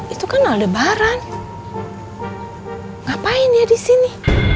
itu kan aldebaran ngapain ya di sini